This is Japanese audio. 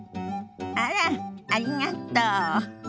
あらっありがとう。